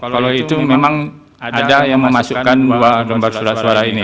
kalau itu memang ada yang memasukkan dua lembar surat suara ini